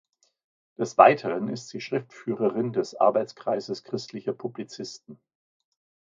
Des Weiteren ist sie Schriftführerin des Arbeitskreises Christlicher Publizisten.